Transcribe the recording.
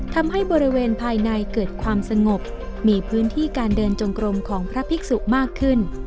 ทำให้บริเวณภายในเกิดความสงบมีพื้นที่การเดินจงกรมของพระภิกษุมากขึ้น